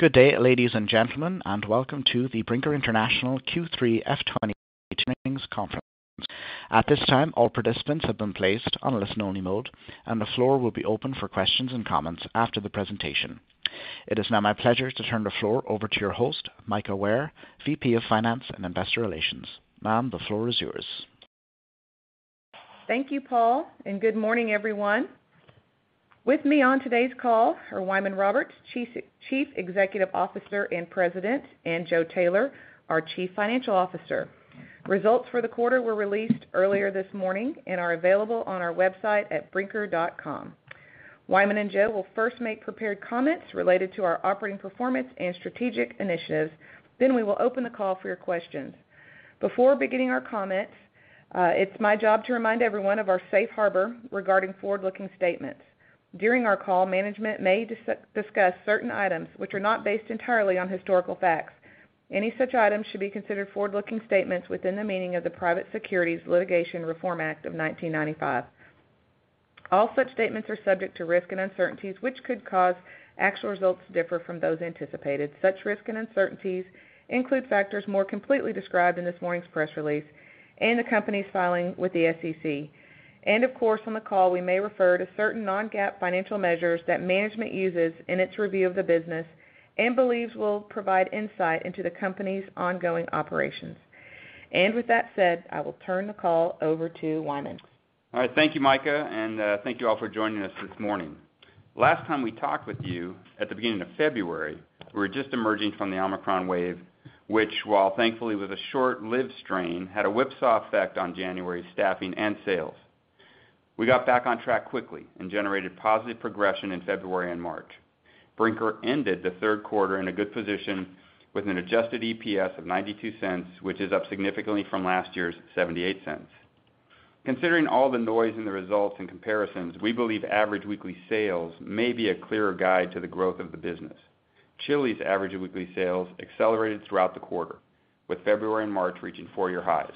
Good day, ladies and gentlemen, and welcome to the Brinker International Q3 FY 2022 Earnings Conference. At this time, all participants have been placed on a listen-only mode, and the floor will be open for questions and comments after the presentation. It is now my pleasure to turn the floor over to your host, Mika Ware, VP of Finance and Investor Relations. Ma'am, the floor is yours. Thank you, Paul, and good morning, everyone. With me on today's call are Wyman Roberts, CEO and President, and Joe Taylor, our CFO. Results for the quarter were released earlier this morning and are available on our website at brinker.com. Wyman and Joe will first make prepared comments related to our operating performance and strategic initiatives. We will open the call for your questions. Before beginning our comments, it's my job to remind everyone of our safe harbor regarding forward-looking statements. During our call, management may discuss certain items which are not based entirely on historical facts. Any such items should be considered forward-looking statements within the meaning of the Private Securities Litigation Reform Act of 1995. All such statements are subject to risks and uncertainties which could cause actual results to differ from those anticipated. Such risks and uncertainties include factors more completely described in this morning's press release and the company's filing with the SEC. Of course, on the call, we may refer to certain non-GAAP financial measures that management uses in its review of the business and believes will provide insight into the company's ongoing operations. With that said, I will turn the call over to Wyman. All right. Thank you, Mika, and thank you all for joining us this morning. Last time we talked with you at the beginning of February, we were just emerging from the Omicron wave, which, while thankfully with a short-lived strain, had a whipsaw effect on January staffing and sales. We got back on track quickly and generated positive progression in February and March. Brinker ended the Q3 in a good position with an adjusted EPS of $0.92, which is up significantly from last year's $0.78. Considering all the noise in the results and comparisons, we believe average weekly sales may be a clearer guide to the growth of the business. Chili's average weekly sales accelerated throughout the quarter, with February and March reaching four-year highs.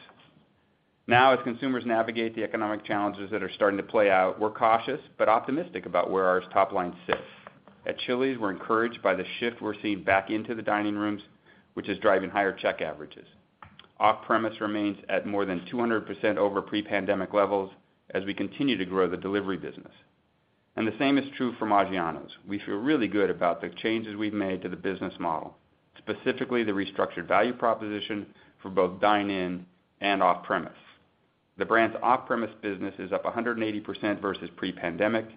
Now, as consumers navigate the economic challenges that are starting to play out, we're cautious but optimistic about where our top line sits. At Chili's, we're encouraged by the shift we're seeing back into the dining rooms, which is driving higher check averages. Off-premise remains at more than 200% over pre-pandemic levels as we continue to grow the delivery business. The same is true for Maggiano's. We feel really good about the changes we've made to the business model, specifically the restructured value proposition for both dine-in and off-premise. The brand's off-premise business is up 180% versus pre-pandemic,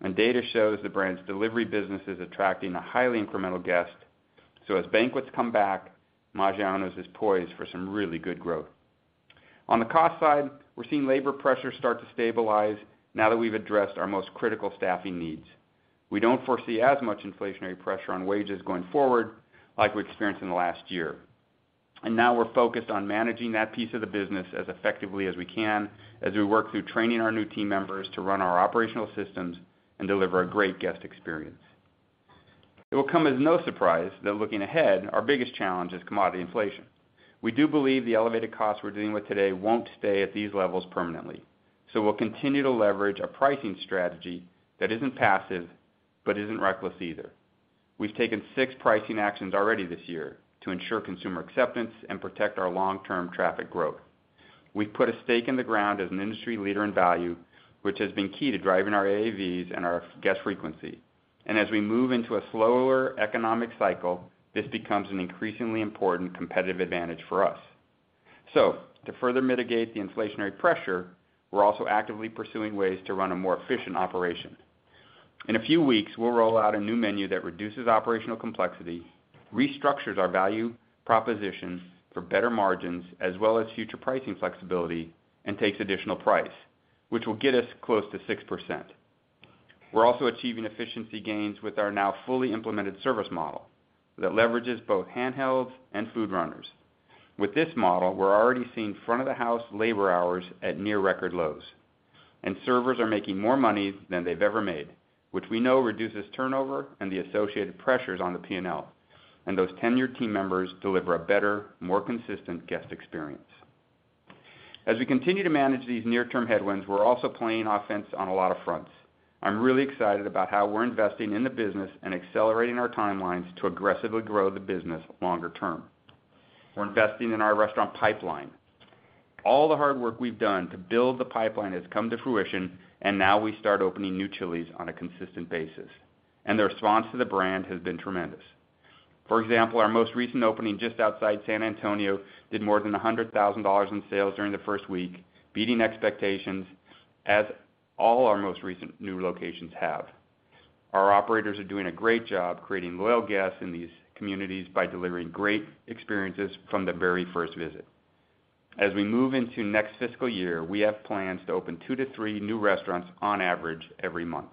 and data shows the brand's delivery business is attracting a highly incremental guest. As banquets come back, Maggiano's is poised for some really good growth. On the cost side, we're seeing labor pressures start to stabilize now that we've addressed our most critical staffing needs. We don't foresee as much inflationary pressure on wages going forward like we experienced in the last year, and now we're focused on managing that piece of the business as effectively as we can as we work through training our new team members to run our operational systems and deliver a great guest experience. It will come as no surprise that looking ahead, our biggest challenge is commodity inflation. We do believe the elevated costs we're dealing with today won't stay at these levels permanently. We'll continue to leverage a pricing strategy that isn't passive but isn't reckless either. We've taken six pricing actions already this year to ensure consumer acceptance and protect our long-term traffic growth. We've put a stake in the ground as an industry leader in value, which has been key to driving our AUVs and our guest frequency. As we move into a slower economic cycle, this becomes an increasingly important competitive advantage for us. To further mitigate the inflationary pressure, we're also actively pursuing ways to run a more efficient operation. In a few weeks, we'll roll out a new menu that reduces operational complexity, restructures our value proposition for better margins as well as future pricing flexibility, and takes additional price, which will get us close to 6%. We're also achieving efficiency gains with our now fully implemented service model that leverages both handhelds and food runners. With this model, we're already seeing front of the house labor hours at near record lows, and servers are making more money than they've ever made, which we know reduces turnover and the associated pressures on the P&L. Those tenured team members deliver a better, more consistent guest experience. As we continue to manage these near-term headwinds, we're also playing offense on a lot of fronts. I'm really excited about how we're investing in the business and accelerating our timelines to aggressively grow the business longer term. We're investing in our restaurant pipeline. All the hard work we've done to build the pipeline has come to fruition, and now we start opening new Chili's on a consistent basis, and the response to the brand has been tremendous. For example, our most recent opening just outside San Antonio did more than $100,000 in sales during the first week, beating expectations as all our most recent new locations have. Our operators are doing a great job creating loyal guests in these communities by delivering great experiences from the very first visit. As we move into next fiscal year, we have plans to open two-three new restaurants on average every month.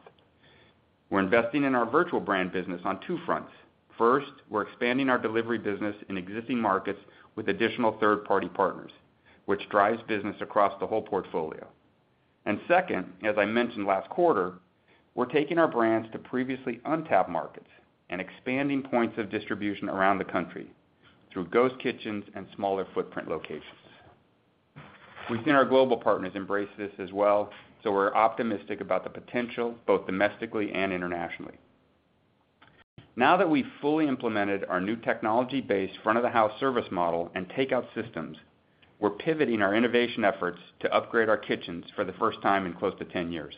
We're investing in our virtual brand business on two fronts. First, we're expanding our delivery business in existing markets with additional third-party partners, which drives business across the whole portfolio. Second, as I mentioned last quarter, we're taking our brands to previously untapped markets and expanding points of distribution around the country through ghost kitchens and smaller footprint locations. We've seen our global partners embrace this as well, so we're optimistic about the potential both domestically and internationally. Now that we've fully implemented our new technology-based front of the house service model and takeout systems, we're pivoting our innovation efforts to upgrade our kitchens for the first time in close to 10 years.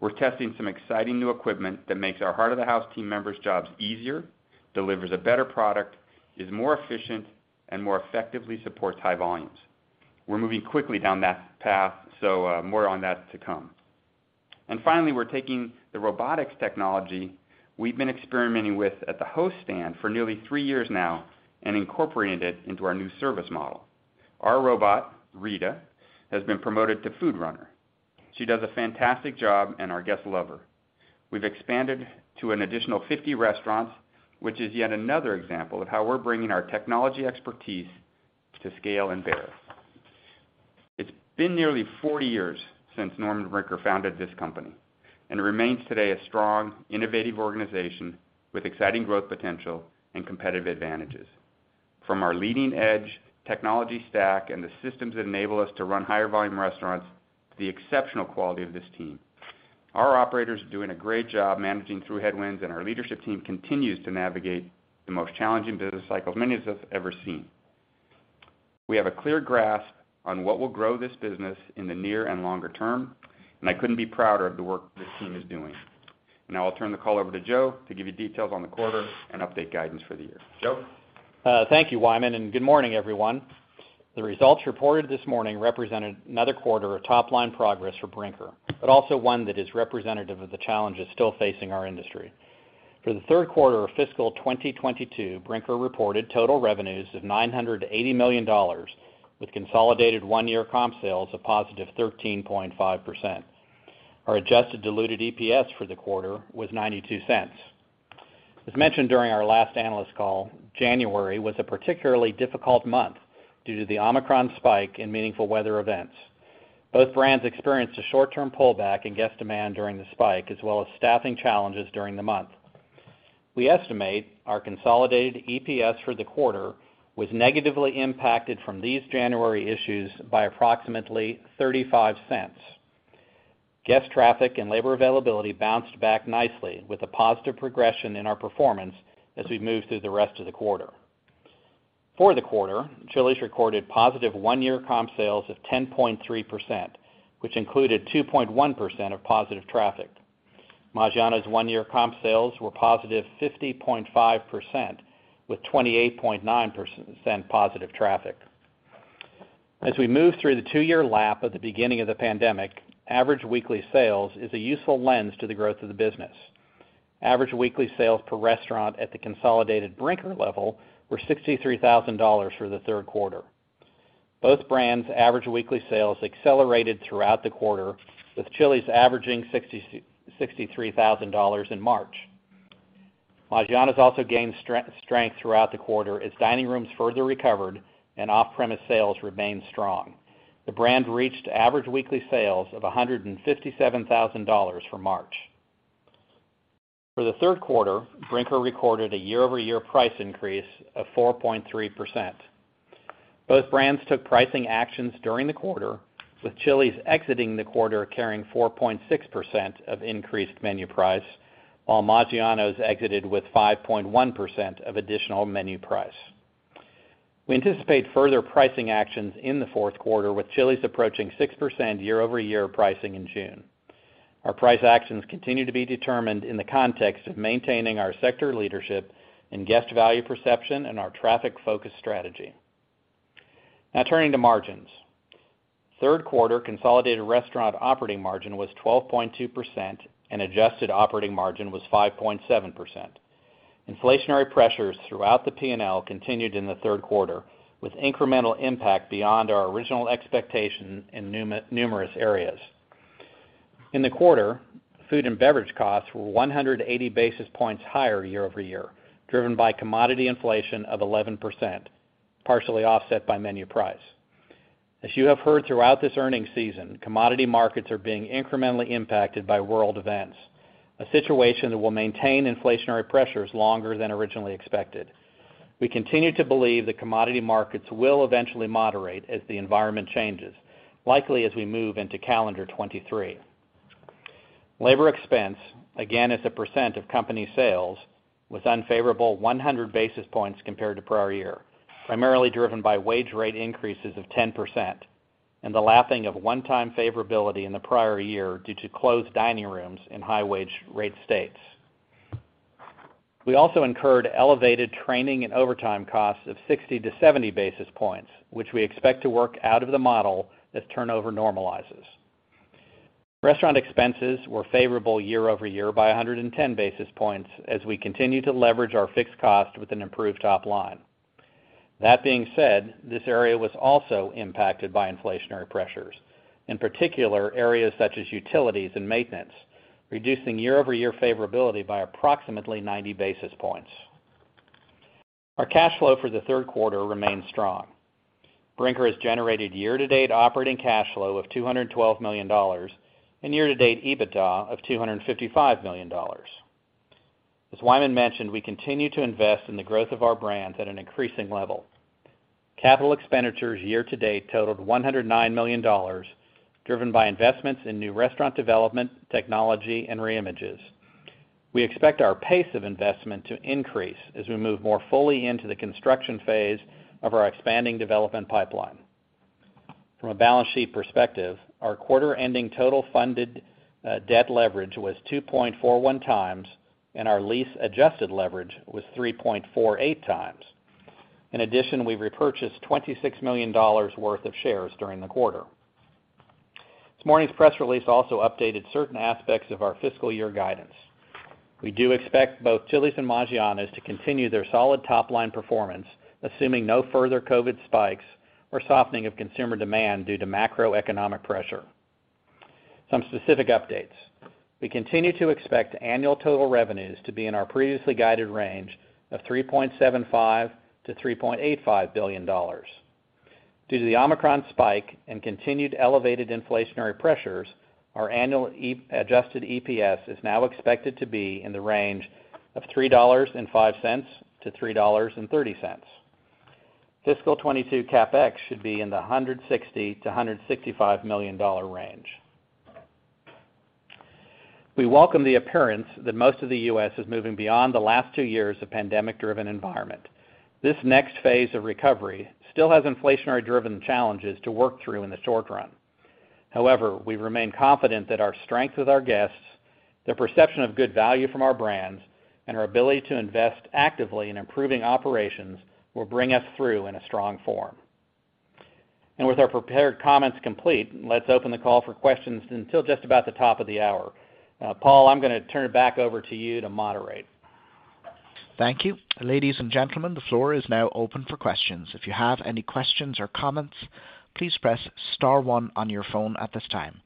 We're testing some exciting new equipment that makes our heart of the house team members' jobs easier, delivers a better product, is more efficient, and more effectively supports high volumes. We're moving quickly down that path, so, more on that to come. Finally, we're taking the robotics technology we've been experimenting with at the host stand for nearly three years now and incorporating it into our new service model. Our robot, Rita, has been promoted to food runner. She does a fantastic job, and our guests love her. We've expanded to an additional 50 restaurants, which is yet another example of how we're bringing our technology expertise to scale in various. It's been nearly 40 years since Norman Brinker founded this company, and it remains today a strong, innovative organization with exciting growth potential and competitive advantages. From our leading edge technology stack and the systems that enable us to run higher volume restaurants, to the exceptional quality of this team. Our operators are doing a great job managing through headwinds, and our leadership team continues to navigate the most challenging business cycle many of us have ever seen. We have a clear grasp on what will grow this business in the near and longer term, and I couldn't be prouder of the work this team is doing. Now I'll turn the call over to Joe to give you details on the quarter and update guidance for the year. Joe? Thank you, Wyman, and good morning, everyone. The results reported this morning represented another quarter of top-line progress for Brinker, but also one that is representative of the challenges still facing our industry. For the third quarter of fiscal 2022, Brinker reported total revenues of $980 million with consolidated one-year comp sales of +13.5%. Our adjusted diluted EPS for the quarter was $0.92. As mentioned during our last analyst call, January was a particularly difficult month due to the Omicron spike in meaningful weather events. Both brands experienced a short-term pullback in guest demand during the spike, as well as staffing challenges during the month. We estimate our consolidated EPS for the quarter was negatively impacted from these January issues by approximately $0.35. Guest traffic and labor availability bounced back nicely with a positive progression in our performance as we moved through the rest of the quarter. For the quarter, Chili's recorded positive one-year comp sales of 10.3%, which included 2.1% of positive traffic. Maggiano's one-year comp sales were positive 50.5% with 28.9% positive traffic. As we move through the two-year lap at the beginning of the pandemic, average weekly sales is a useful lens to the growth of the business. Average weekly sales per restaurant at the consolidated Brinker level were $63,000 for the third quarter. Both brands' average weekly sales accelerated throughout the quarter, with Chili's averaging $63,000 in March. Maggiano's also gained strength throughout the quarter as dining rooms further recovered and off-premise sales remained strong. The brand reached average weekly sales of $157,000 for March. For the Q3, Brinker recorded a year-over-year price increase of 4.3%. Both brands took pricing actions during the quarter, with Chili's exiting the quarter carrying 4.6% of increased menu price, while Maggiano's exited with 5.1% of additional menu price. We anticipate further pricing actions in the Q4, with Chili's approaching 6% year-over-year pricing in June. Our price actions continue to be determined in the context of maintaining our sector leadership and guest value perception in our traffic-focused strategy. Now turning to margins. Q3 consolidated restaurant operating margin was 12.2% and adjusted operating margin was 5.7%. Inflationary pressures throughout the P&L continued in the Q3, with incremental impact beyond our original expectation in numerous areas. In the quarter, food and beverage costs were 180 basis points higher year-over-year, driven by commodity inflation of 11%, partially offset by menu price. As you have heard throughout this earnings season, commodity markets are being incrementally impacted by world events, a situation that will maintain inflationary pressures longer than originally expected. We continue to believe that commodity markets will eventually moderate as the environment changes, likely as we move into calendar 2023. Labor expense, again as a percent of company sales, was unfavorable 100 basis points compared to prior year, primarily driven by wage rate increases of 10% and the lapping of one-time favorability in the prior year due to closed dining rooms in high wage rate states. We also incurred elevated training and overtime costs of 60-70 basis points, which we expect to work out of the model as turnover normalizes. Restaurant expenses were favorable year-over-year by 110 basis points as we continue to leverage our fixed cost with an improved top line. That being said, this area was also impacted by inflationary pressures, in particular areas such as utilities and maintenance, reducing year-over-year favorability by approximately 90 basis points. Our cash flow for the Q3 remained strong. Brinker has generated year-to-date operating cash flow of $212 million and year-to-date EBITDA of $255 million. As Wyman mentioned, we continue to invest in the growth of our brands at an increasing level. Capital expenditures year-to-date totaled $109 million, driven by investments in new restaurant development, technology, and re-images. We expect our pace of investment to increase as we move more fully into the construction phase of our expanding development pipeline. From a balance sheet perspective, our quarter ending total funded debt leverage was 2.41 times, and our lease adjusted leverage was 3.48 times. In addition, we repurchased $26 million worth of shares during the quarter. This morning's press release also updated certain aspects of our fiscal year guidance. We do expect both Chili's and Maggiano's to continue their solid top-line performance, assuming no further COVID spikes or softening of consumer demand due to macroeconomic pressure. Some specific updates. We continue to expect annual total revenues to be in our previously guided range of $3.75 billion-$3.85 billion. Due to the Omicron spike and continued elevated inflationary pressures, our annual adjusted EPS is now expected to be in the range of $3.05-$3.30. Fiscal 2022 CapEx should be in the $160 million-$165 million range. We welcome the appearance that most of the U.S. is moving beyond the last two years of pandemic driven environment. This next phase of recovery still has inflationary driven challenges to work through in the short run. However, we remain confident that our strength with our guests, the perception of good value from our brands, and our ability to invest actively in improving operations will bring us through in a strong form. With our prepared comments complete, let's open the call for questions until just about the top of the hour. Paul, I'm gonna turn it back over to you to moderate. Thank you. Ladies and gentlemen, the floor is now open for questions. If you have any questions or comments, please press star one on your phone at this time.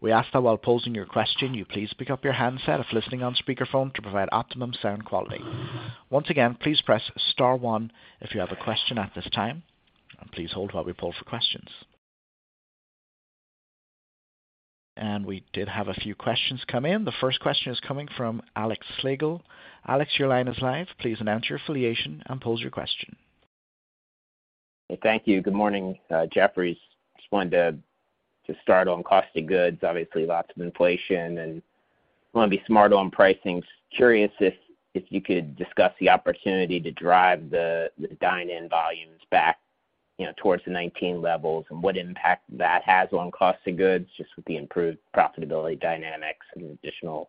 We ask that while posing your question, you please pick up your handset if listening on speaker phone to provide optimum sound quality. Once again, please press star one if you have a question at this time, and please hold while we poll for questions. We did have a few questions come in. The first question is coming from Alexander Slagle. Alex, your line is live. Please announce your affiliation and pose your question. Thank you. Good morning. Jefferies. Just wanted to start on cost of goods, obviously, lots of inflation and want to be smart on pricing. Curious if you could discuss the opportunity to drive the dine in volumes back, you know, towards the 2019 levels and what impact that has on cost of goods, just with the improved profitability dynamics and additional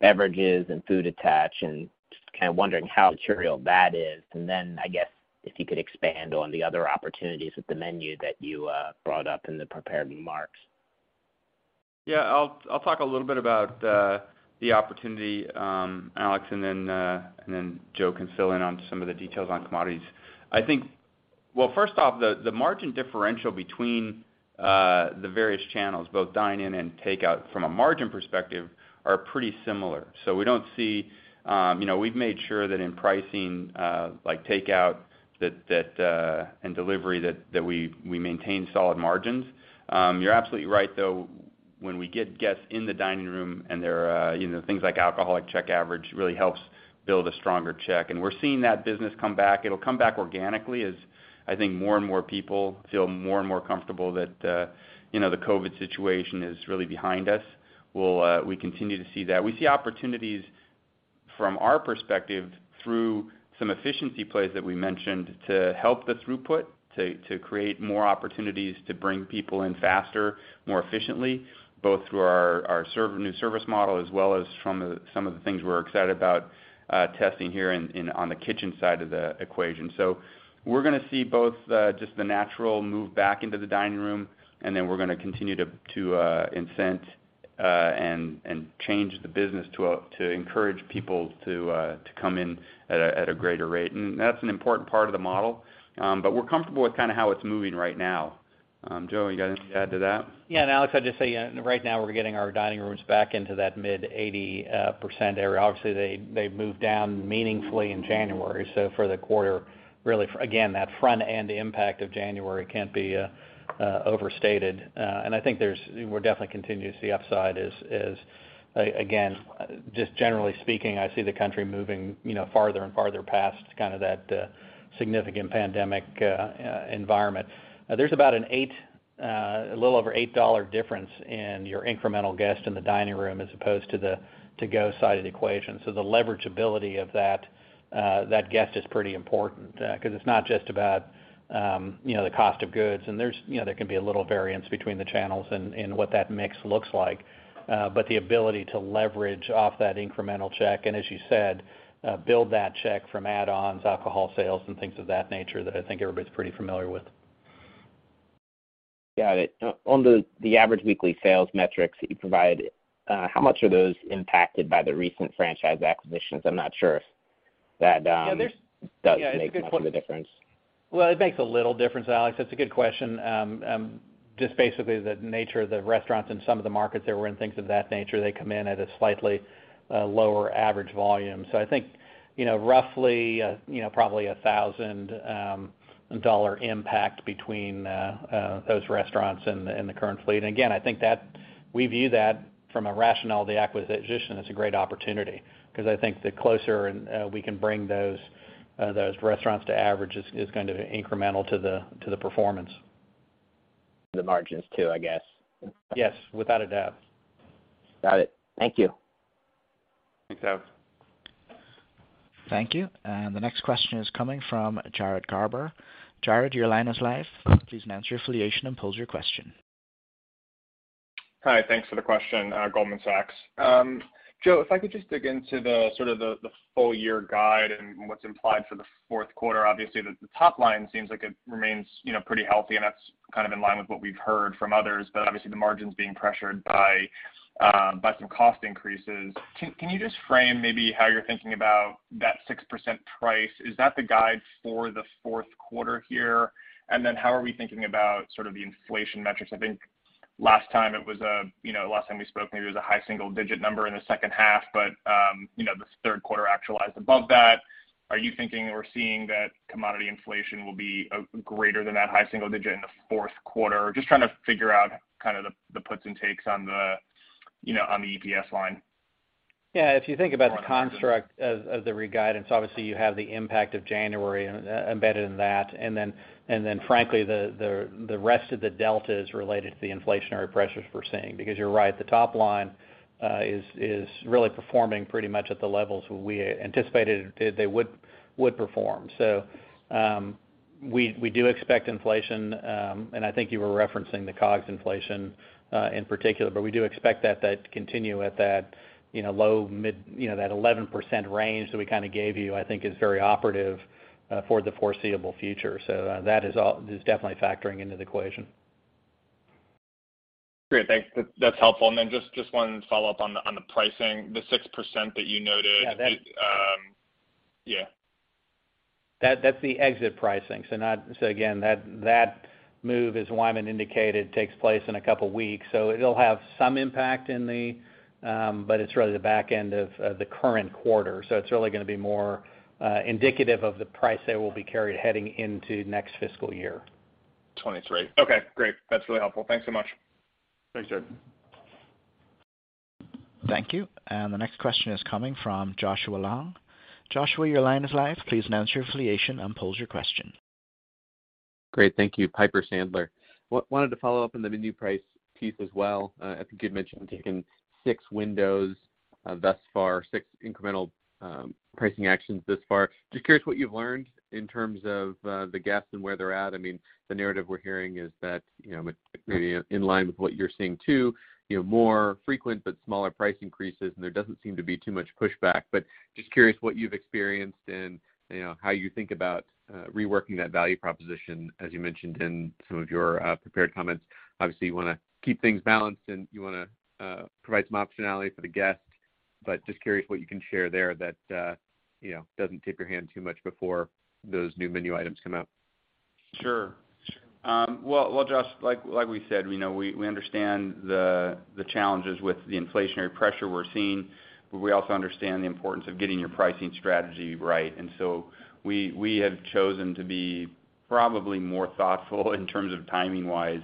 beverages and food attach, and just kind of wondering how material that is. Then, I guess, if you could expand on the other opportunities with the menu that you brought up in the prepared remarks. Yeah. I'll talk a little bit about the opportunity, Alex, and then Joe can fill in on some of the details on commodities. I think. Well, first off, the margin differential between the various channels, both dine in and takeout from a margin perspective, are pretty similar. We don't see, you know, we've made sure that in pricing, like takeout, and delivery that we maintain solid margins. You're absolutely right, though. When we get guests in the dining room and they're, you know, things like alcoholic check average really helps build a stronger check. We're seeing that business come back. It'll come back organically as I think more and more people feel more and more comfortable that, you know, the COVID situation is really behind us. Well, we continue to see that. We see opportunities from our perspective through some efficiency plays that we mentioned to help the throughput, to create more opportunities to bring people in faster, more efficiently, both through our new service model as well as from some of the things we're excited about testing here on the kitchen side of the equation. We're gonna see both, just the natural move back into the dining room, and then we're gonna continue to incent and change the business to encourage people to come in at a greater rate. That's an important part of the model. We're comfortable with kinda how it's moving right now. Joe, you got anything to add to that? Yeah, Alex, I'd just say right now we're getting our dining rooms back into that mid-80% area. Obviously, they moved down meaningfully in January. For the quarter, really, again, that front-end impact of January can't be overstated. I think we'll definitely continue to see upside as just generally speaking, I see the country moving, you know, farther and farther past kinda that significant pandemic environment. There's about a little over $8 difference in your incremental guest in the dining room as opposed to the to-go side of the equation. The leverageability of that guest is pretty important, 'cause it's not just about, you know, the cost of goods. There's, you know, there can be a little variance between the channels and what that mix looks like, but the ability to leverage off that incremental check, and as you said, build that check from add-ons, alcohol sales, and things of that nature that I think everybody's pretty familiar with. Got it. On the average weekly sales metrics that you provide, how much are those impacted by the recent franchise acquisitions? I'm not sure if that. Yeah. does make much of a difference. Well, it makes a little difference, Alex. That's a good question. Just basically the nature of the restaurants in some of the markets that we're in, things of that nature, they come in at a slightly lower average volume. I think- You know, roughly, you know, probably a $1,000 impact between those restaurants and the current fleet. Again, I think that we view that from a rationale of the acquisition. It's a great opportunity because I think the closer we can bring those restaurants to average is going to be incremental to the performance. The margins too, I guess. Yes, without a doubt. Got it. Thank you. Thanks, Ev. Thank you. The next question is coming from Jared Garber. Jared, your line is live. Please announce your affiliation and pose your question. Hi. Thanks for the question, Goldman Sachs. Joe, if I could just dig into the full year guide and what's implied for the Q4. Obviously the top line seems like it remains, you know, pretty healthy, and that's kind of in line with what we've heard from others. Obviously the margins being pressured by some cost increases. Can you just frame maybe how you're thinking about that 6% price? Is that the guide for the Q4 here? And then how are we thinking about sort of the inflation metrics? I think last time it was a, you know, last time we spoke, maybe it was a high single digit number in the second half, but, you know, the Q3 actualized above that. Are you thinking or seeing that commodity inflation will be greater than that high single digit in the fourth quarter? Just trying to figure out kind of the puts and takes on the, you know, on the EPS line. Yeah. If you think about the construct of the re-guidance, obviously you have the impact of January embedded in that. Frankly, the rest of the delta is related to the inflationary pressures we're seeing. Because you're right, the top line is really performing pretty much at the levels we anticipated they would perform. We do expect inflation, and I think you were referencing the COGS inflation in particular. But we do expect that to continue at that, you know, low mid, you know, that 11% range that we kind of gave you, I think is very operative for the foreseeable future. That is definitely factoring into the equation. Great. Thanks. That's helpful. Just one follow-up on the pricing. The 6% that you noted. Yeah, Yeah. That's the exit pricing. Again, that move, as Wyman indicated, takes place in a couple of weeks. It'll have some impact in the, but it's really the back end of the current quarter. It's really going to be more indicative of the price that will be carried heading into next fiscal year. 23. Okay, great. That's really helpful. Thanks so much. Thanks, Jared. Thank you. The next question is coming from Joshua Long. Joshua, your line is live. Please announce your affiliation and pose your question. Great. Thank you. Piper Sandler. Wanted to follow up on the menu price piece as well. I think you'd mentioned taking six windows thus far, six incremental pricing actions thus far. Just curious what you've learned in terms of the guests and where they're at. I mean, the narrative we're hearing is that, you know, maybe in line with what you're seeing too, you know, more frequent but smaller price increases, and there doesn't seem to be too much pushback. Just curious what you've experienced and, you know, how you think about reworking that value proposition, as you mentioned in some of your prepared comments. Obviously, you want to keep things balanced, and you want to provide some optionality for the guest. Just curious what you can share there that, you know, doesn't tip your hand too much before those new menu items come out. Sure. Well, Josh, like we said, you know, we understand the challenges with the inflationary pressure we're seeing, but we also understand the importance of getting your pricing strategy right. We have chosen to be probably more thoughtful in terms of timing-wise,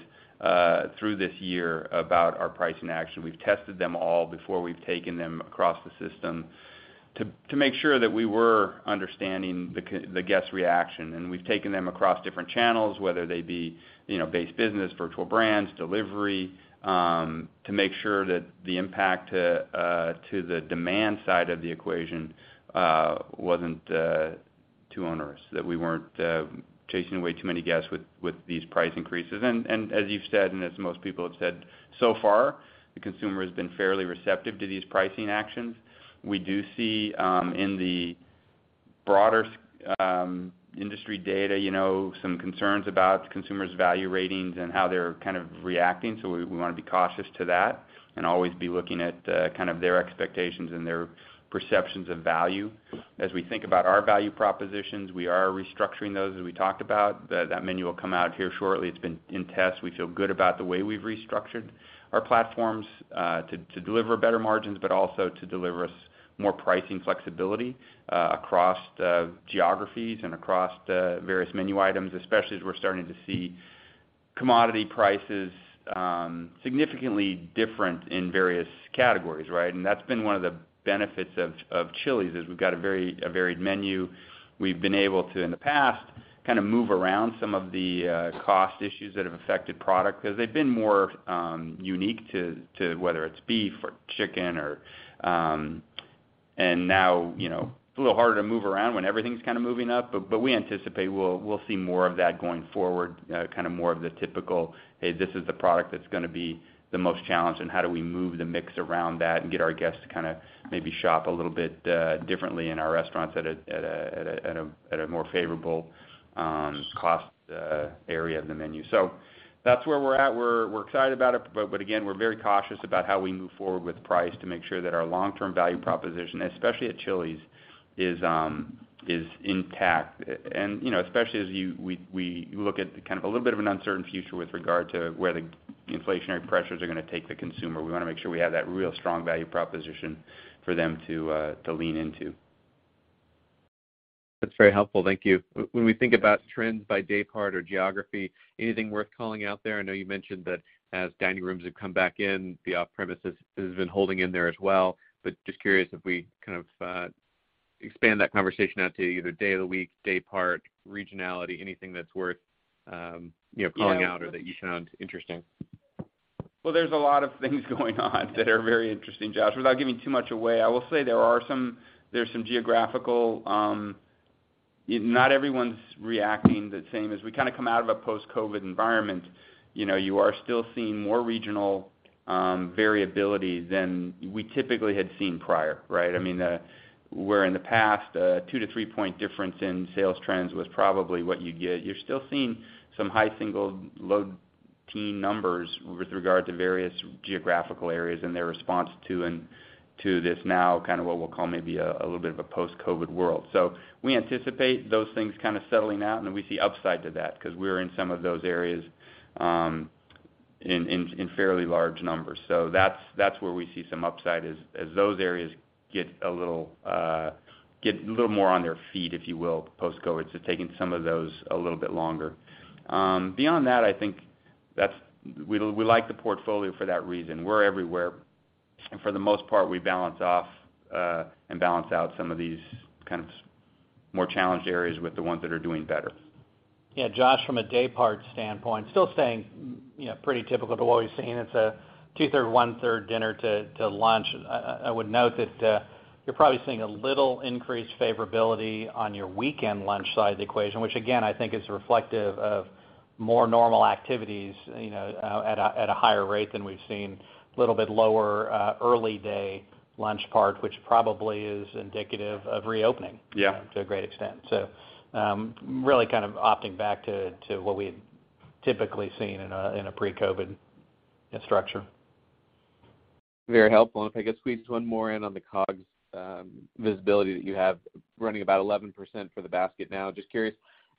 through this year about our pricing action. We've tested them all before we've taken them across the system to make sure that we were understanding the guest reaction. We've taken them across different channels, whether they be, you know, base business, virtual brands, delivery, to make sure that the impact to the demand side of the equation wasn't too onerous, that we weren't chasing away too many guests with these price increases. as you've said, and as most people have said, so far, the consumer has been fairly receptive to these pricing actions. We do see in the broader industry data, you know, some concerns about consumers' value ratings and how they're kind of reacting. We wanna be cautious to that and always be looking at kind of their expectations and their perceptions of value. As we think about our value propositions, we are restructuring those, as we talked about. That menu will come out here shortly. It's been in test. We feel good about the way we've restructured our platforms to deliver better margins, but also to deliver us more pricing flexibility across the geographies and across the various menu items, especially as we're starting to see commodity prices significantly different in various categories, right? That's been one of the benefits of Chili's, is we've got a very varied menu. We've been able to, in the past, kind of move around some of the cost issues that have affected product because they've been more unique to whether it's beef or chicken or. Now, you know, it's a little harder to move around when everything's kind of moving up, but we anticipate we'll see more of that going forward, kind of more of the typical, "Hey, this is the product that's going to be the most challenged, and how do we move the mix around that and get our guests to kind of maybe shop a little bit differently in our restaurants at a more favorable cost area of the menu." That's where we're at. We're excited about it, but again, we're very cautious about how we move forward with price to make sure that our long-term value proposition, especially at Chili's, is intact. You know, especially as we look at kind of a little bit of an uncertain future with regard to where the inflationary pressures are gonna take the consumer, we wanna make sure we have that real strong value proposition for them to lean into. That's very helpful, thank you. When we think about trends by daypart or geography, anything worth calling out there? I know you mentioned that as dining rooms have come back in, the off-premises has been holding in there as well. Just curious if we kind of expand that conversation out to either day of the week, daypart, regionality, anything that's worth you know calling out or that you found interesting. Well, there's a lot of things going on that are very interesting, Josh. Without giving too much away, I will say there are some geographical. Not everyone's reacting the same. As we kind of come out of a post-COVID environment, you know, you are still seeing more regional variability than we typically had seen prior, right? I mean, where in the past, two-three point difference in sales trends was probably what you'd get. You're still seeing some high single, low teen numbers with regard to various geographical areas and their response to this now, kind of what we'll call maybe a little bit of a post-COVID world. We anticipate those things kind of settling out, and then we see upside to that because we're in some of those areas in fairly large numbers. That's where we see some upside as those areas get a little more on their feet, if you will, post-COVID. Taking some of those a little bit longer. Beyond that, I think that we like the portfolio for that reason. We're everywhere. For the most part, we balance out some of these kind of more challenged areas with the ones that are doing better. Yeah, Joshua, from a daypart standpoint, still staying pretty typical to what we've seen. It's a two-thirds, one-third dinner to lunch. I would note that you're probably seeing a little increased favorability on your weekend lunch side of the equation, which again, I think is reflective of more normal activities at a higher rate than we've seen. A little bit lower early day lunch part, which probably is indicative of reopening. Yeah ...to a great extent. Really kind of opting back to what we had typically seen in a pre-COVID structure. Very helpful. If I could squeeze one more in on the COGS visibility that you have running about 11% for the basket now. Just curious,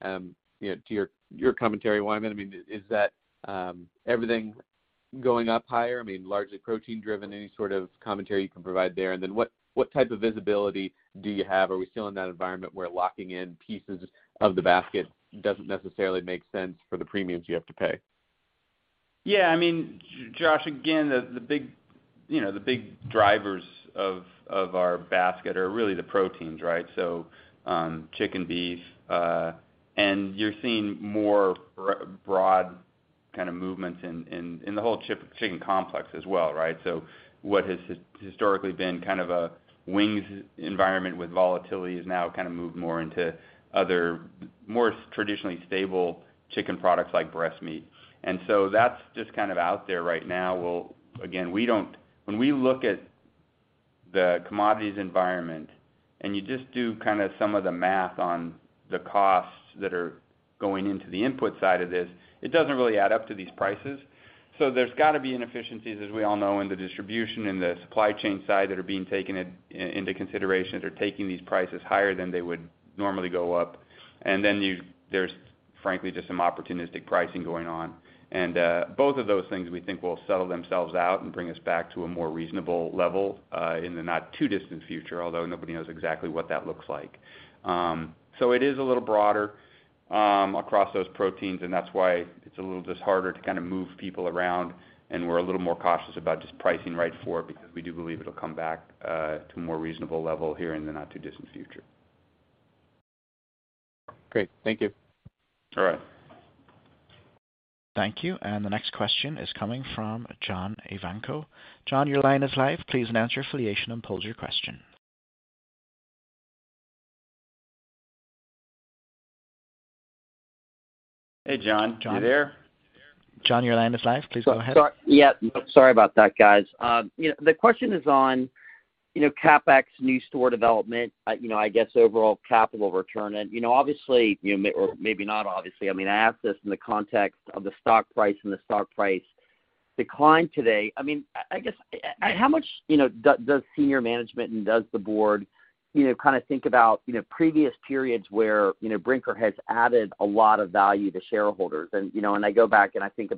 you know, to your commentary, Wyman, I mean, is that everything going up higher? I mean, largely protein driven, any sort of commentary you can provide there? What type of visibility do you have? Are we still in that environment where locking in pieces of the basket doesn't necessarily make sense for the premiums you have to pay? Yeah, I mean, Josh, again, the big drivers of our basket are really the proteins, right? So, chicken, beef, and you're seeing more broad kind of movements in the whole chicken complex as well, right? So what has historically been kind of a wings environment with volatility has now kind of moved more into other more traditionally stable chicken products like breast meat. And so that's just kind of out there right now. Again, when we look at the commodities environment and you just do kind of some of the math on the costs that are going into the input side of this, it doesn't really add up to these prices. So there's gotta be inefficiencies, as we all know, in the distribution and the supply chain side that are being taken into consideration. They're taking these prices higher than they would normally go up. Then there's frankly, just some opportunistic pricing going on. Both of those things we think will settle themselves out and bring us back to a more reasonable level, in the not too distant future, although nobody knows exactly what that looks like. It is a little broader, across those proteins, and that's why it's a little just harder to kind of move people around. We're a little more cautious about just pricing right for it because we do believe it'll come back, to a more reasonable level here in the not too distant future. Great. Thank you. All right. Thank you. The next question is coming from John Ivankoe. John, your line is live. Please announce your affiliation and pose your question. Hey, John. You there? John, your line is live. Please go ahead. Sorry. Yeah, sorry about that, guys. The question is on, you know, CapEx new store development, you know, I guess overall capital return. You know, obviously, you know, or maybe not obviously, I mean, I ask this in the context of the stock price and the stock price decline today. I mean, I guess, how much, you know, does senior management and does the board, you know, kind of think about, you know, previous periods where, you know, Brinker has added a lot of value to shareholders? You know, and I go back and I think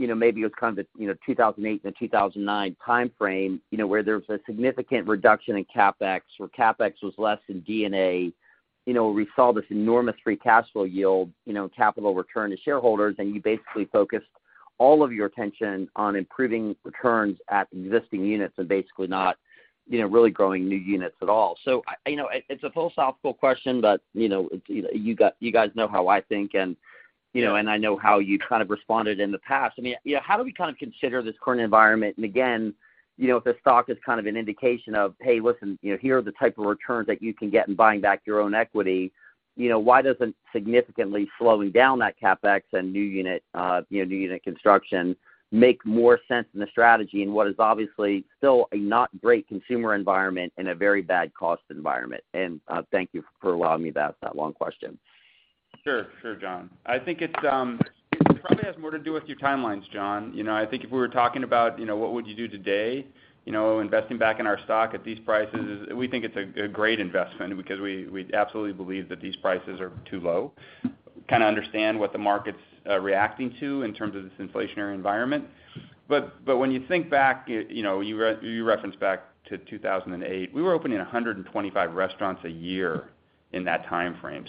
about, you know, maybe it was kind of the, you know, 2008 and 2009 timeframe, you know, where there was a significant reduction in CapEx, where CapEx was less than D&A. You know, we saw this enormous free cash flow yield, you know, capital return to shareholders, and you basically focused all of your attention on improving returns at existing units and basically not, you know, really growing new units at all. I, you know, it's a philosophical question, but, you know, you guys know how I think, and, you know, and I know how you kind of responded in the past. I mean, you know, how do we kind of consider this current environment? Again, you know, if the stock is kind of an indication of, hey, listen, you know, here are the type of returns that you can get in buying back your own equity, you know, why doesn't significantly slowing down that CapEx and new unit, you know, new unit construction make more sense in the strategy in what is obviously still a not great consumer environment and a very bad cost environment? Thank you for allowing me to ask that long question. Sure, John. I think it's it probably has more to do with your timelines, John. You know, I think if we were talking about, you know, what would you do today, you know, investing back in our stock at these prices is a great investment because we absolutely believe that these prices are too low. Kind of understand what the market's reacting to in terms of this inflationary environment. But when you think back, you know, you referenced back to 2008, we were opening 125 restaurants a year in that timeframe.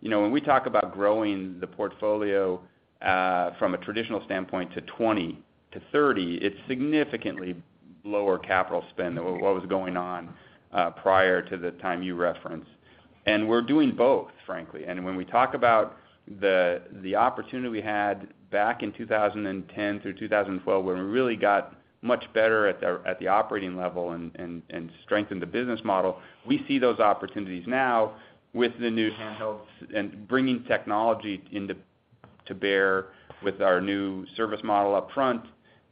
You know, when we talk about growing the portfolio from a traditional standpoint to 20-30, it's significantly lower capital spend than what was going on prior to the time you referenced. We're doing both, frankly. When we talk about the opportunity we had back in 2010 through 2012, when we really got much better at the operating level and strengthened the business model, we see those opportunities now with the new handhelds and bringing technology to bear with our new service model up front.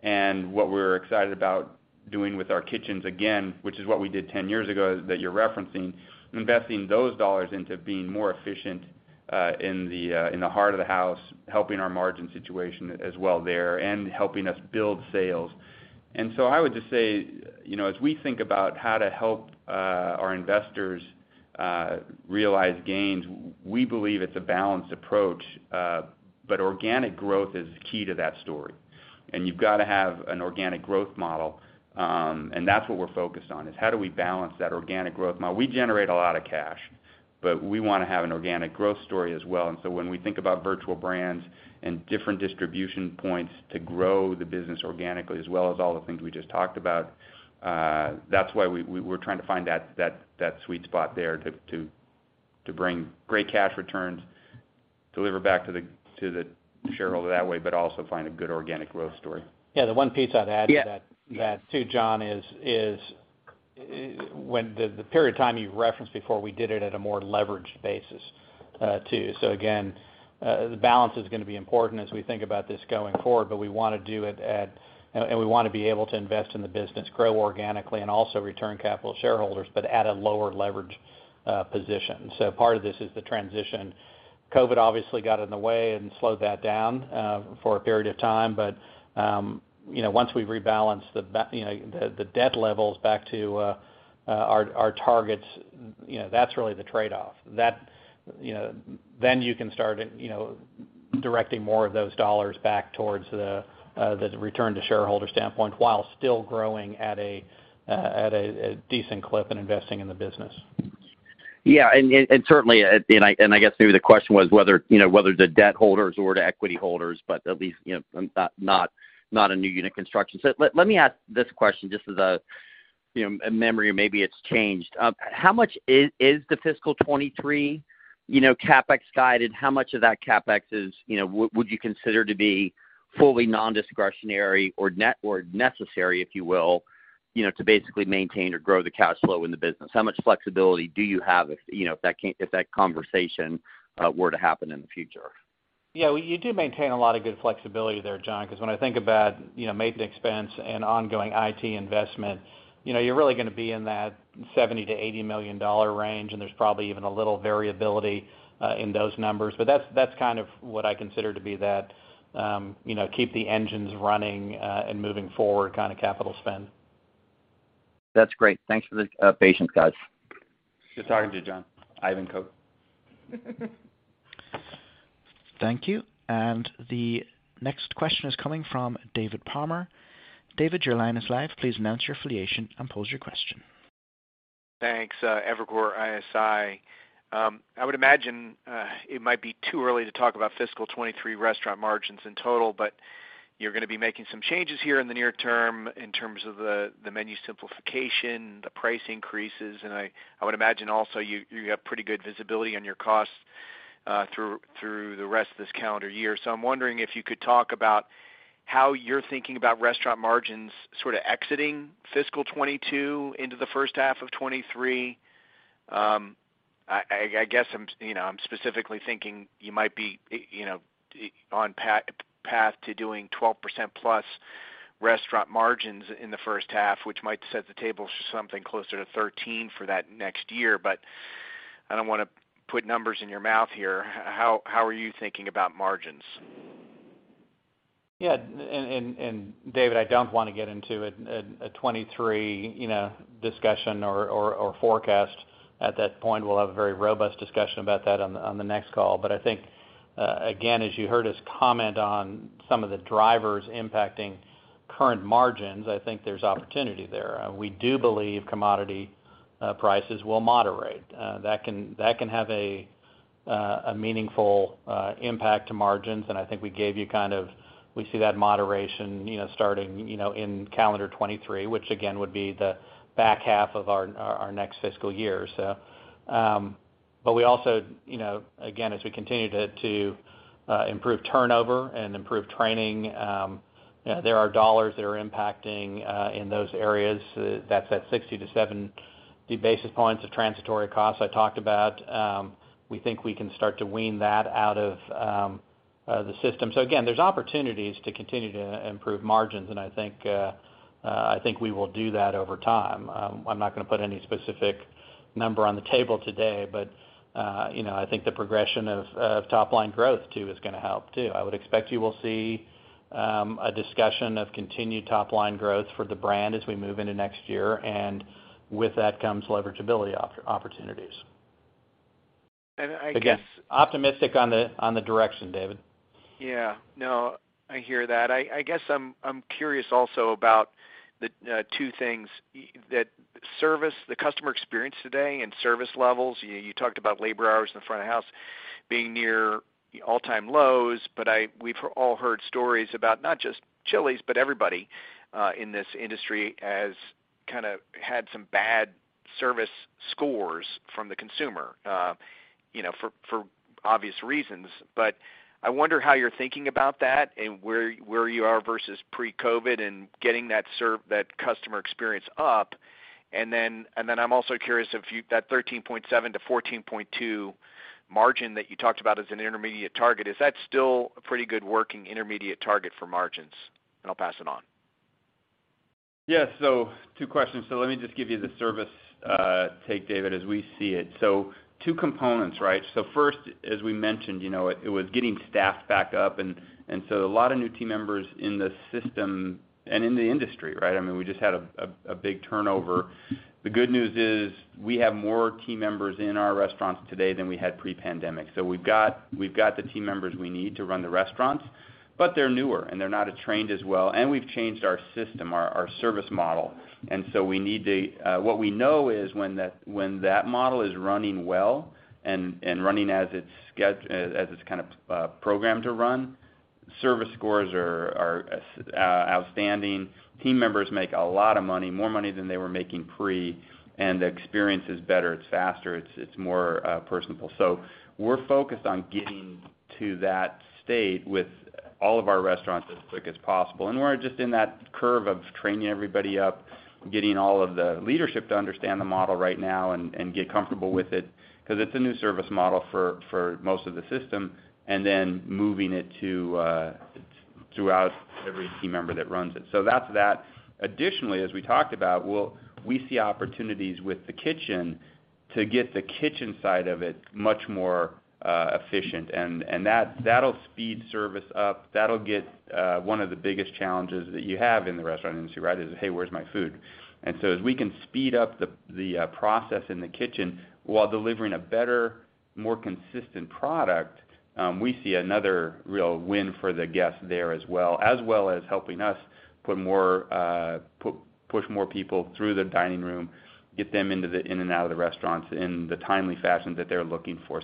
What we're excited about doing with our kitchens, again, which is what we did 10 years ago that you're referencing, investing those dollars into being more efficient in the heart of the house, helping our margin situation as well there, and helping us build sales. I would just say, you know, as we think about how to help our investors realize gains, we believe it's a balanced approach. But organic growth is key to that story. You've got to have an organic growth model, and that's what we're focused on, is how do we balance that organic growth model. We generate a lot of cash, but we wanna have an organic growth story as well. When we think about virtual brands and different distribution points to grow the business organically, as well as all the things we just talked about, that's why we're trying to find that sweet spot there to bring great cash returns, deliver back to the shareholder that way, but also find a good organic growth story. Yeah, the one piece I'd add to that too, John, is when the period of time you referenced before, we did it at a more leveraged basis, too. Again, the balance is gonna be important as we think about this going forward, but we wanna do it and we wanna be able to invest in the business, grow organically, and also return capital to shareholders, but at a lower leverage position. Part of this is the transition. COVID obviously got in the way and slowed that down for a period of time. You know, once we rebalance, you know, the debt levels back to our targets, you know, that's really the trade-off. That, you know, then you can start, you know, directing more of those dollars back towards the return to shareholder standpoint while still growing at a decent clip and investing in the business. Yeah. Certainly, I guess maybe the question was whether, you know, whether to debt holders or to equity holders, but at least, you know, not a new unit construction. Let me ask this question just as a, you know, a memory, or maybe it's changed. How much is the fiscal 2023, you know, CapEx guided? How much of that CapEx is, you know, would you consider to be fully non-discretionary or necessary, if you will, you know, to basically maintain or grow the cash flow in the business? How much flexibility do you have if, you know, if that conversation were to happen in the future? Yeah. We do maintain a lot of good flexibility there, John, because when I think about, you know, maintenance expense and ongoing IT investment, you know, you're really gonna be in that $70-$80 million range, and there's probably even a little variability in those numbers. But that's kind of what I consider to be that, you know, keep the engines running and moving forward kind of capital spend. That's great. Thanks for the patience, guys. Good talking to you, John Ivankoe. Thank you. The next question is coming from David Palmer. David, your line is live. Please announce your affiliation and pose your question. Thanks. Evercore ISI. I would imagine it might be too early to talk about fiscal 2023 restaurant margins in total, but you're gonna be making some changes here in the near term in terms of the menu simplification, the price increases. I would imagine also you have pretty good visibility on your costs through the rest of this calendar year. I'm wondering if you could talk about how you're thinking about restaurant margins sort of exiting fiscal 2022 into the first half of 2023. I guess I'm, you know, I'm specifically thinking you might be, you know, on path to doing 12%+ restaurant margins in the first half, which might set the table for something closer to 13% for that next year. But I don't wanna put numbers in your mouth here. How are you thinking about margins? Yeah. David, I don't want to get into a 2023 discussion or forecast. At that point, we'll have a very robust discussion about that on the next call. I think, again, as you heard us comment on some of the drivers impacting current margins, I think there's opportunity there. We do believe commodity prices will moderate. That can have a meaningful impact to margins. I think we gave you kind of, we see that moderation, you know, starting, you know, in calendar 2023, which again would be the back half of our next fiscal year. We also, you know, again, as we continue to improve turnover and improve training, you know, there are dollars that are impacting in those areas. That's that 60-70 basis points of transitory costs I talked about. We think we can start to wean that out of the system. Again, there's opportunities to continue to improve margins, and I think we will do that over time. I'm not gonna put any specific number on the table today, but you know, I think the progression of top line growth too is gonna help too. I would expect you will see a discussion of continued top line growth for the brand as we move into next year, and with that comes leverage opportunities. I guess. Again, optimistic on the direction, David. Yeah. No, I hear that. I guess I'm curious also about the two things. That service, the customer experience today and service levels, you talked about labor hours in the front of house being near all-time lows. We've all heard stories about not just Chili's, but everybody in this industry as kinda had some bad service scores from the consumer, you know, for obvious reasons. I wonder how you're thinking about that and where you are versus pre-COVID and getting that customer experience up. I'm also curious if that 13.7%-14.2% margin that you talked about as an intermediate target is that still a pretty good working intermediate target for margins? I'll pass it on. Yeah. Two questions. Let me just give you the service take, David, as we see it. Two components, right? First, as we mentioned, you know, it was getting staffed back up, and so a lot of new team members in the system and in the industry, right? I mean, we just had a big turnover. The good news is we have more team members in our restaurants today than we had pre-pandemic. We've got the team members we need to run the restaurants, but they're newer, and they're not as trained as well, and we've changed our system, our service model. What we know is when that model is running well and running as it's kind of programmed to run, service scores are outstanding. Team members make a lot of money, more money than they were making pre, and the experience is better. It's faster. It's more personable. We're focused on getting to that state with all of our restaurants as quick as possible. We're just in that curve of training everybody up, getting all of the leadership to understand the model right now and get comfortable with it 'cause it's a new service model for most of the system, and then moving it to throughout every team member that runs it. That's that. Additionally, as we talked about, we see opportunities with the kitchen to get the kitchen side of it much more efficient. That'll speed service up. That'll get one of the biggest challenges that you have in the restaurant industry, right, is, "Hey, where's my food?" As we can speed up the process in the kitchen while delivering a better, more consistent product, we see another real win for the guest there as well as helping us push more people through the dining room, get them in and out of the restaurants in the timely fashion that they're looking for.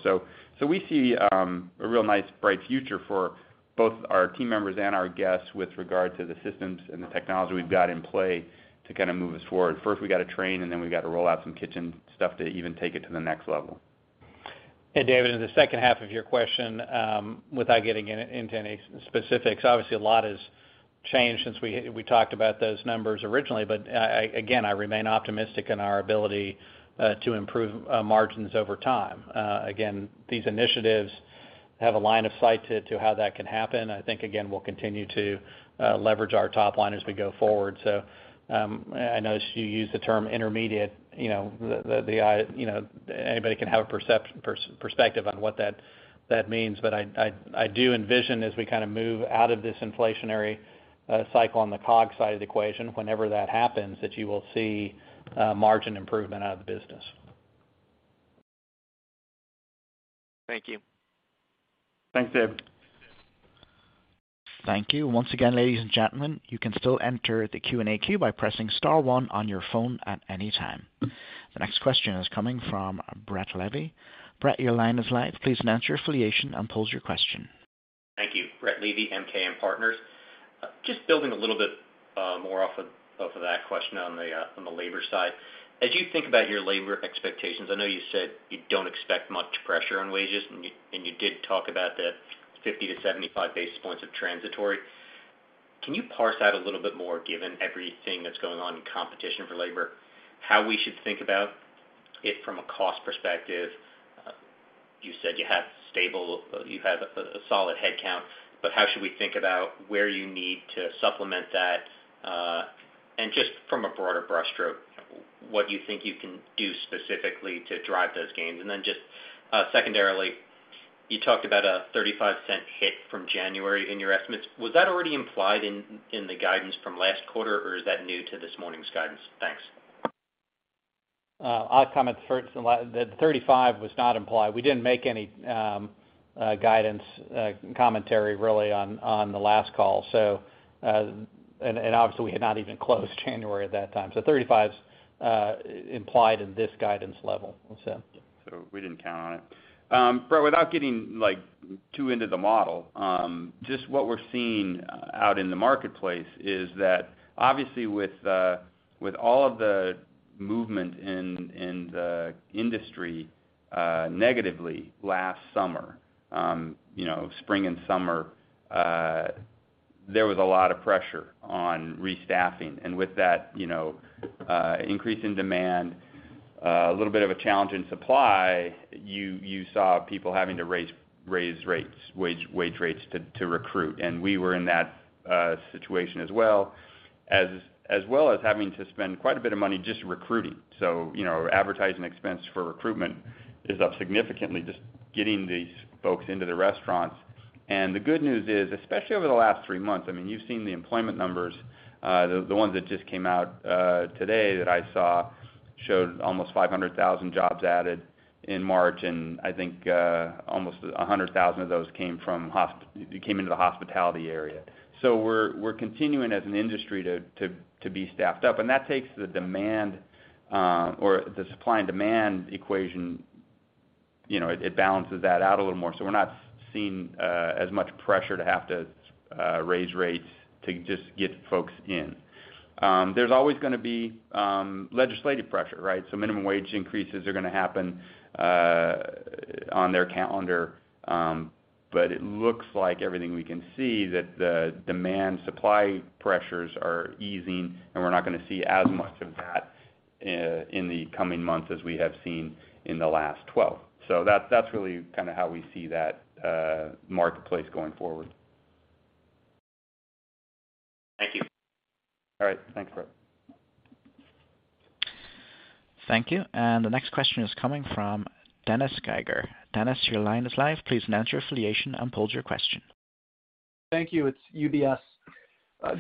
We see a real nice, bright future for both our team members and our guests with regard to the systems and the technology we've got in play to kinda move us forward. First, we gotta train, and then we gotta roll out some kitchen stuff to even take it to the next level. David, in the second half of your question, without getting into any specifics, obviously a lot has changed since we talked about those numbers originally. Again, I remain optimistic in our ability to improve margins over time. Again, these initiatives have a line of sight to how that can happen. I think, again, we'll continue to leverage our top line as we go forward. I notice you used the term intermediate. You know, anybody can have a perspective on what that means. I do envision as we kinda move out of this inflationary cycle on the COGS side of the equation, whenever that happens, that you will see margin improvement out of the business. Thank you. Thanks, David. Thank you. Once again, ladies and gentlemen, you can still enter the Q&A queue by pressing star one on your phone at any time. The next question is coming from Brett Levy. Brett, your line is live. Please state your affiliation and pose your question. Thank you. Brett Levy, MKM Partners. Just building a little bit more off of that question on the labor side. As you think about your labor expectations, I know you said you don't expect much pressure on wages, and you did talk about the 50 to 75 basis points of transitory. Can you parse out a little bit more, given everything that's going on in competition for labor, how we should think about it from a cost perspective? You said you have a solid headcount, but how should we think about where you need to supplement that, and just from a broader brushstroke, what you think you can do specifically to drive those gains? Just secondarily, you talked about a $0.35 hit from January in your estimates. Was that already implied in the guidance from last quarter, or is that new to this morning's guidance? Thanks. I'll comment first. The 35 was not implied. We didn't make any guidance commentary really on the last call. Obviously we had not even closed January at that time. 35's implied in this guidance level. What's that? We didn't count on it. Brett, without getting like too into the model, just what we're seeing out in the marketplace is that obviously with all of the movement in the industry negatively last summer, you know, spring and summer. There was a lot of pressure on restaffing. With that, you know, increase in demand, a little bit of a challenge in supply, you saw people having to raise rates, wage rates to recruit. We were in that situation as well. As well as having to spend quite a bit of money just recruiting. You know, advertising expense for recruitment is up significantly just getting these folks into the restaurants. The good news is, especially over the last three months, I mean, you've seen the employment numbers, the ones that just came out today that I saw showed almost 500,000 jobs added in March, and I think almost 100,000 of those came into the hospitality area. We're continuing as an industry to be staffed up. That takes the demand or the supply and demand equation, you know, it balances that out a little more. We're not seeing as much pressure to have to raise rates to just get folks in. There's always gonna be legislative pressure, right? Minimum wage increases are gonna happen on their calendar, but it looks like everything we can see that the demand supply pressures are easing, and we're not gonna see as much of that in the coming months as we have seen in the last twelve. That's really kinda how we see that marketplace going forward. Thank you. All right. Thanks, Brett. Thank you. The next question is coming from Dennis Geiger. Dennis, your line is live. Please state your affiliation and pose your question. Thank you. It's UBS.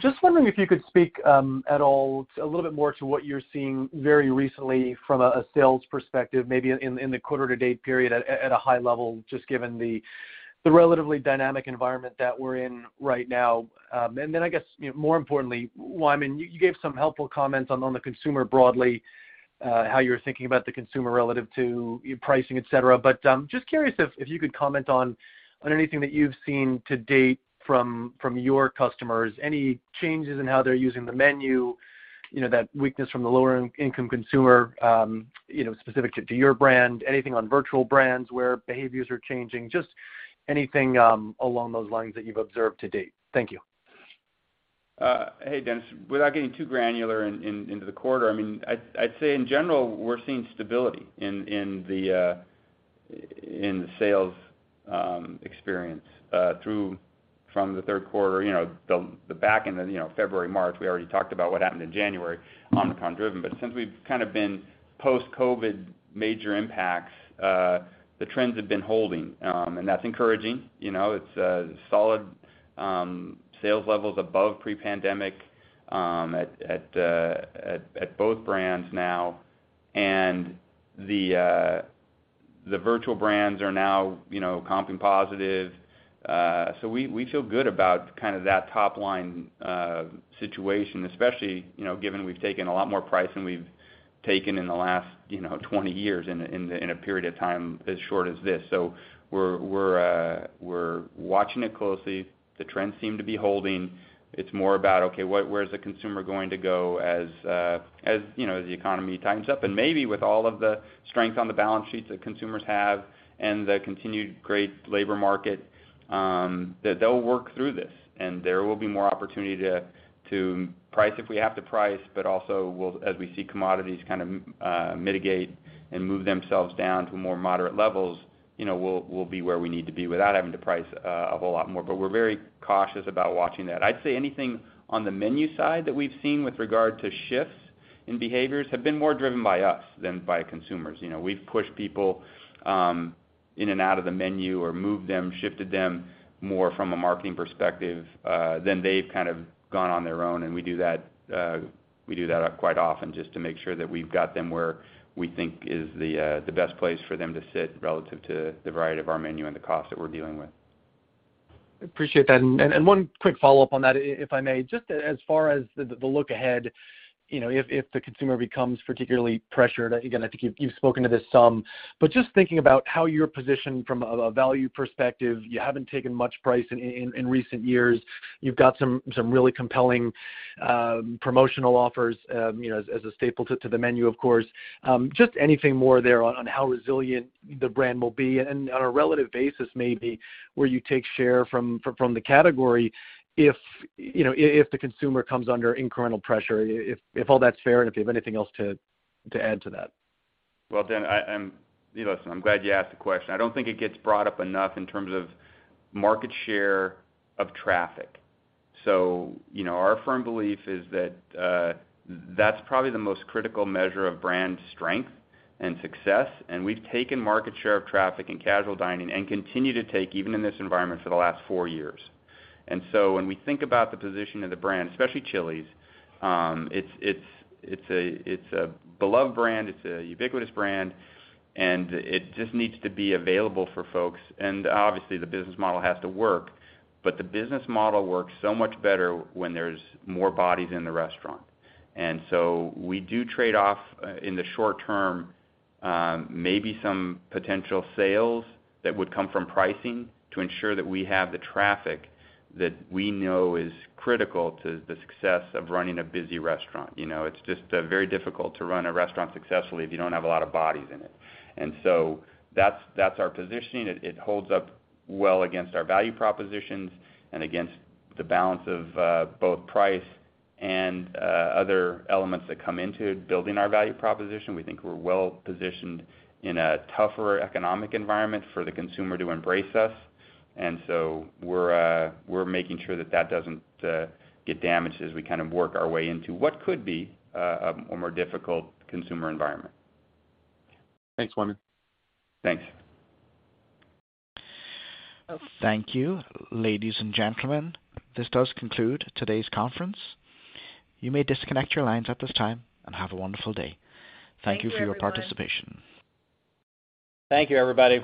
Just wondering if you could speak at all a little bit more to what you're seeing very recently from a sales perspective, maybe in the quarter to date period at a high level, just given the relatively dynamic environment that we're in right now. I guess, you know, more importantly, well, I mean, you gave some helpful comments on the consumer broadly, how you're thinking about the consumer relative to pricing, et cetera. Just curious if you could comment on anything that you've seen to date from your customers. Any changes in how they're using the menu, you know, that weakness from the lower-income consumer, you know, specific to your brand. Anything on virtual brands where behaviors are changing. Just anything, along those lines that you've observed to date. Thank you. Hey, Dennis. Without getting too granular into the quarter, I mean, I'd say in general, we're seeing stability in the sales experience through from the third quarter. You know, the back end of February, March, we already talked about what happened in January, Omicron driven. But since we've kinda been post-COVID major impacts, the trends have been holding, and that's encouraging. You know, it's solid sales levels above pre-pandemic at both brands now. The virtual brands are now, you know, comping positive. We feel good about kinda that top line situation, especially, you know, given we've taken a lot more price than we've taken in the last, you know, 20 years in a period of time as short as this. We're watching it closely. The trends seem to be holding. It's more about, okay, where's the consumer going to go as, you know, as the economy tightens up. Maybe with all of the strength on the balance sheets that consumers have and the continued great labor market, that they'll work through this. There will be more opportunity to price if we have to price, but also as we see commodities kind of mitigate and move themselves down to more moderate levels, you know, we'll be where we need to be without having to price a whole lot more. We're very cautious about watching that. I'd say anything on the menu side that we've seen with regard to shifts in behaviors have been more driven by us than by consumers. You know, we've pushed people in and out of the menu or moved them, shifted them more from a marketing perspective than they've kind of gone on their own. We do that quite often just to make sure that we've got them where we think is the best place for them to sit relative to the variety of our menu and the cost that we're dealing with. Appreciate that. One quick follow-up on that, if I may. Just as far as the look ahead, you know, if the consumer becomes particularly pressured, again, I think you've spoken to this some, but just thinking about how you're positioned from a value perspective. You haven't taken much price in recent years. You've got some really compelling promotional offers, you know, as a staple to the menu, of course. Just anything more there on how resilient the brand will be, and on a relative basis, maybe, where you take share from the category if, you know, if the consumer comes under incremental pressure, if all that's fair, and if you have anything else to add to that. Well, Dan, listen, I'm glad you asked the question. I don't think it gets brought up enough in terms of market share of traffic. You know, our firm belief is that that's probably the most critical measure of brand strength and success, and we've taken market share of traffic in casual dining and continue to take, even in this environment, for the last four years. When we think about the position of the brand, especially Chili's, it's a beloved brand, it's a ubiquitous brand, and it just needs to be available for folks. Obviously, the business model has to work. The business model works so much better when there's more bodies in the restaurant. We do trade off in the short term, maybe some potential sales that would come from pricing to ensure that we have the traffic that we know is critical to the success of running a busy restaurant. You know, it's just very difficult to run a restaurant successfully if you don't have a lot of bodies in it. That's our positioning. It holds up well against our value propositions and against the balance of both price and other elements that come into building our value proposition. We think we're well-positioned in a tougher economic environment for the consumer to embrace us. We're making sure that that doesn't get damaged as we kind of work our way into what could be a more difficult consumer environment. Thanks, Wyman. Thanks. Thank you, ladies and gentlemen. This does conclude today's conference. You may disconnect your lines at this time, and have a wonderful day. Thank you for your participation. Thank you, everybody.